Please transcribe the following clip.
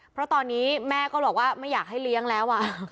เพราะตอนนี้แม่ก็บอกว่าไม่อยากให้เลี้ยงแล้ว